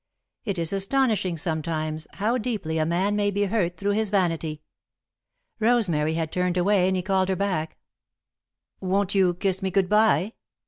It is astonishing, sometimes, how deeply a man may be hurt through his vanity. Rosemary had turned away, and he called her back. "Won't you kiss me good bye?"